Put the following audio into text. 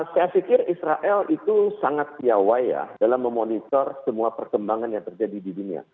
saya pikir israel itu sangat piawai ya dalam memonitor semua perkembangan yang terjadi di dunia